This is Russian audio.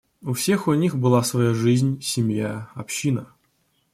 У всех у них была своя жизнь, семья, община.